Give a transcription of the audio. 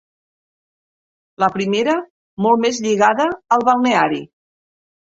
La primera molt més lligada al balneari.